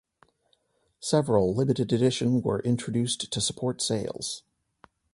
Several limited edition were introduced to support sales.